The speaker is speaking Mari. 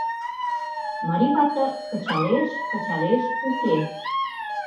Марий вате кычалеш, кычалеш — уке.